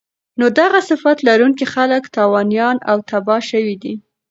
نو دغه صفت لرونکی خلک تاوانيان او تباه شوي دي